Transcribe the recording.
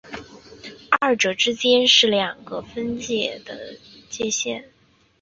二者之间是两个分局的界线。